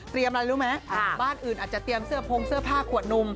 อะไรรู้ไหมบ้านอื่นอาจจะเตรียมเสื้อพงเสื้อผ้าขวดนม